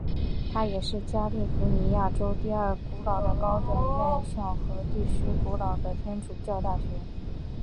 它也是加利福尼亚州第二古老的高等院校和第十古老的天主教大学。